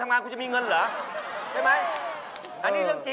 มีคาถาเงินล้านให้อีก